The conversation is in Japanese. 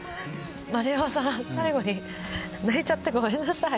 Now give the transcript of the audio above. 丸山さん、最後に泣いちゃってごめんなさい。